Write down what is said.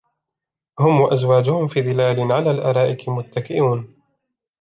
هم وأزواجهم في ظلال على الأرائك متكئون